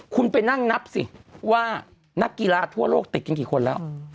คุณไปนั่งนับสิว่านักกีฬาทั่วโลกติดกันกี่คนแล้ว